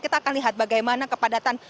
kita akan lihat bagaimana kepadatan